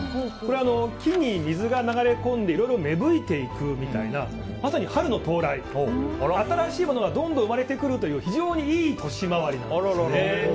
これは、木に水が流れ込んでいろいろ芽吹いていくみたいなまさに春の到来新しいものがどんどん生まれてくるという非常にいい年回りなんです。